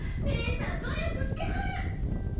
ねえさん努力してはる！